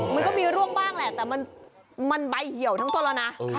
มันก็มีร่วงบ้างแหละแต่มันใบเหี่ยวทั้งต้นแล้วนะ